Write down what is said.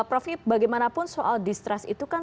profi bagaimanapun soal distrust itu kan